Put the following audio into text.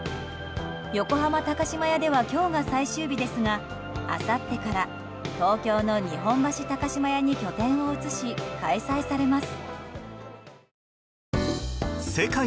横浜高島屋では今日が最終日ですがあさってから東京の日本橋高島屋に拠点を移し開催されます。